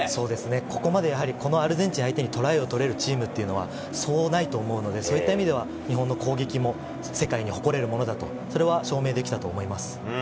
ここまでアルゼンチン相手にトライを取れるチームはそうはないと思うので、そういった意味で日本の攻撃も世界に誇れるものだと証明できたと思います。